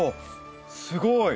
すごい！